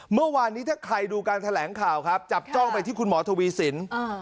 เมื่อวานนี้ถ้าใครดูการแถลงข่าวครับจับจ้องไปที่คุณหมอทวีสิน